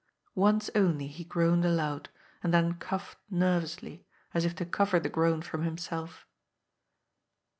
Once only he groaned aloud, and then coughed nervously, as if to cover the groan from himself.